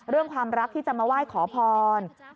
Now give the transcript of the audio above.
เรื่องความรักที่จะมาไหว้ขอพร